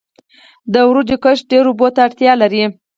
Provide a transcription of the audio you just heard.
د وریجو کښت ډیرو اوبو ته اړتیا لري.